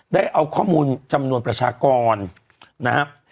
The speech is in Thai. ได้เอาข้อมูลจำนวนประชากรนะครับ